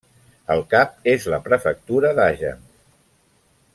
El cap és la prefectura d'Agen.